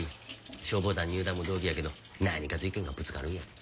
消防団入団も同期やけど何かと意見がぶつかるんやて。